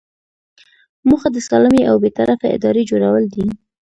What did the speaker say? موخه د سالمې او بې طرفه ادارې جوړول دي.